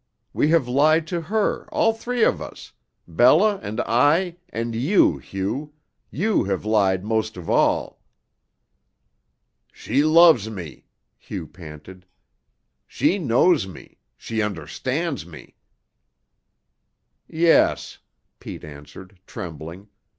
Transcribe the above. We have lied to her, all three of us Bella and I, and you, Hugh you have lied most of all." "She loves me," Hugh panted. "She knows me. She understands me." "Yes," Pete answered, trembling.